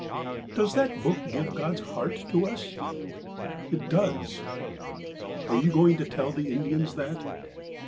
" Does that Book give God's ' heart ' to us? " ''It does." "And are you going to tell the Indians that